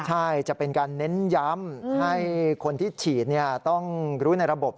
ใช่จะเป็นการเน้นย้ำให้คนที่ฉีดต้องรู้ในระบบ